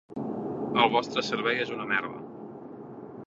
El vostre servei és una merda.